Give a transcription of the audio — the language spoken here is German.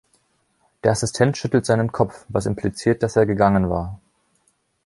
Der Assistent schüttelt seinen Kopf, was impliziert, das er gegangen war.